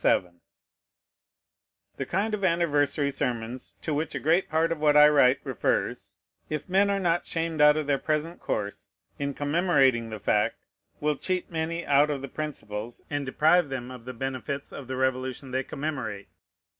The kind of anniversary sermons to which a great part of what I write refers, if men are not shamed out of their present course, in commemorating the fact, will cheat many out of the principles and deprive them of the benefits of the Revolution they commemorate.